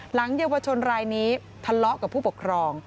หลังเยาวชนรายนี้ทะเลาะกับผู้ปกครอง